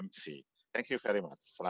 mc kami terima kasih banyak